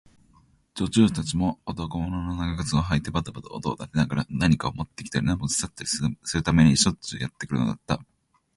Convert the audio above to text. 女中たちも、男物の長靴をはいてばたばた音を立てながら、何かをもってきたり、もち去ったりするためにしょっちゅうやってくるのだった。